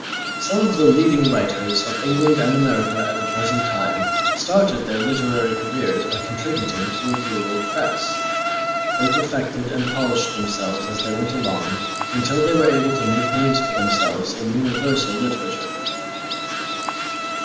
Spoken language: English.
Some of the leading writers of England and America at the present time started their literary careers by contributing to the rural press. They perfected and polished themselves as they went along until they were able to make names for themselves in universal literature.